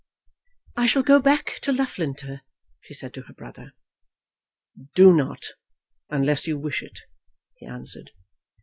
"I shall go back to Loughlinter," she said to her brother. "Do not, unless you wish it," he answered.